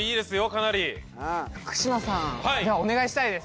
かなり福島さんじゃあお願いしたいです